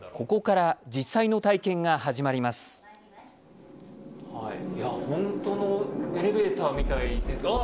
ここから実際の体験が始まります。